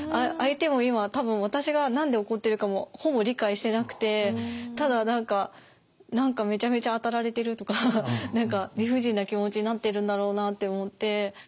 相手も今多分私が何で怒ってるかもほぼ理解してなくてただ何かめちゃめちゃ当たられてるとか何か理不尽な気持ちになってるんだろうなって思って。